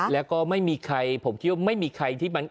แล้วก็ไม่มีใครผมคิดว่าไม่มีใครที่มัน